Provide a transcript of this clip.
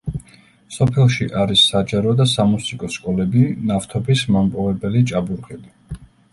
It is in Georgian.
სოფელში არის საჯარო და სამუსიკო სკოლები, ნავთობის მომპოვებელი ჭაბურღილი.